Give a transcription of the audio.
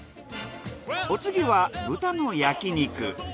お次は豚の焼き肉。